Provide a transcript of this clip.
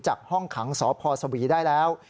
ห้องขังสพสวีได้แล้ว